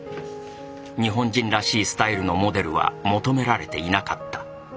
日本人らしいスタイルのモデルは求められていなかった。